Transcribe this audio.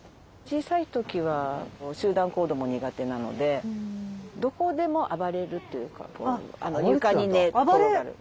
小さい時は集団行動も苦手なのでどこでも暴れるというか床に寝転がる。